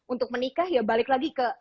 untuk menikah ya balik lagi ke